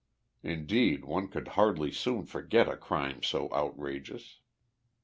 In deed, one could hardly soon forget a crime so outrageous.